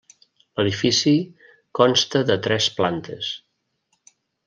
L'edifici consta de tres plantes.